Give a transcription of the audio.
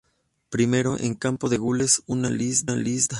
Primero: En campo de gules una lis, de plata.